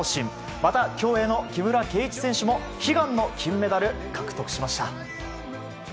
また競泳の木村敬一選手も、悲願の金メダル獲得しました。